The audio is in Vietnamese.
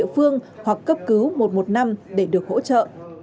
phương hoặc cấp cứu một một năm để được hỗ trợ